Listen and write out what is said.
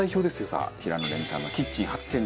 さあ平野レミさんのキッチン初潜入。